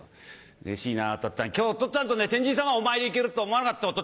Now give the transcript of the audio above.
「うれしいなおとっつぁん今日おとっつぁんとね天神様お参り行けると思わなかったもん。